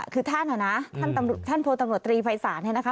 คือท่านหรอนะท่านโทษตำรวจตรีภัยศาสตร์เนี่ยนะคะ